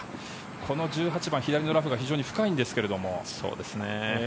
この１８番、左のラフが非常に深いんですけど。